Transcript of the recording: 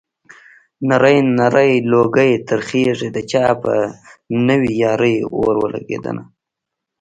نری نری لوګی ترې خيږي د چا په نوې يارۍ اور ولګېدنه